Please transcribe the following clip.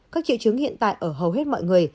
các triệu chứng hiện tại ở hầu hết mọi người